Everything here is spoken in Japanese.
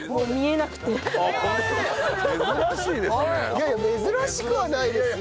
いやいや珍しくはないですよ。